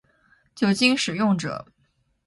酒精使用者